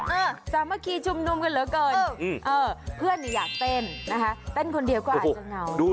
สามัคคีชุมนุมกันเหลือเกินเออเพื่อนอยากเต้นนะคะเต้นคนเดียวก็อาจจะเงา